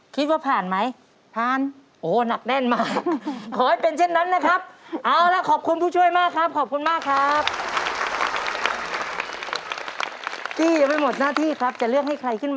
สิบหลายสิบหลายสิบหลายสิบหลายสิบหลายสิบหลายสิบหลายสิบหลาย